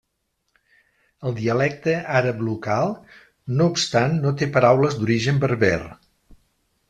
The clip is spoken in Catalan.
El dialecte àrab local no obstant no té paraules d'origen berber.